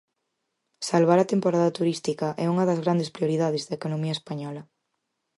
Salvar a temporada turística é unha das grandes prioridades da economía española.